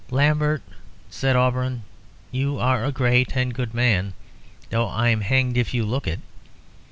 "Lambert," said Auberon, "you are a great and good man, though I'm hanged if you look it.